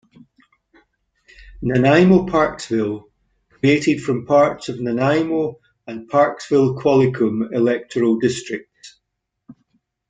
Nanaimo-Parksville created from parts of Nanaimo and Parksville-Qualicum electoral districts.